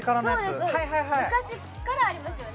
そうです昔からありますよね